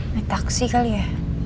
naik taksi kali ya